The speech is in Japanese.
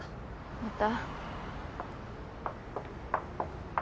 また。